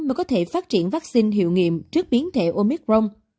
mới có thể phát triển vắc xin hiệu nghiệm trước biến thể omicron